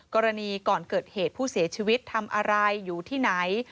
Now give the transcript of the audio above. กรณีก่อนเกิดเหตุผู้เสียชีวิตทำอะไรอยู่ที่ไหน